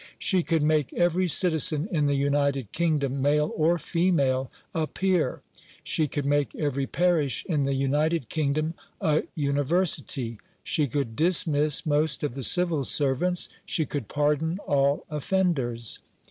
She could make every citizen in the United Kingdom, male or female, a peer; she could make every parish in the United Kingdom a "university"; she could dismiss most of the civil servants; she could pardon all offenders.